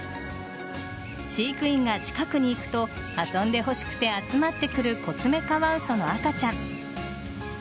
飼育員が近くに行くと遊んでほしくて集まってくるコツメカワウソの赤ちゃん。